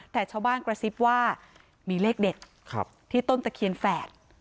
แต่ชาวบ้านกระซิบว่ามีเลขเด็ดที่ต้นตะเคียนแฝด